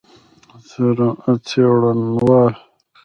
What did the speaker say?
څېړنوال